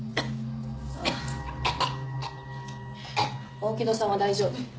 大木戸さんは大丈夫。